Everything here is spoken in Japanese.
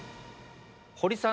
堀さん